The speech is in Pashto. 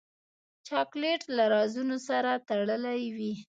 چاکلېټ له رازونو سره تړلی وي.